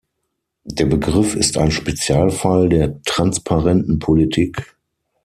Der Begriff ist ein Spezialfall der transparenten Politik.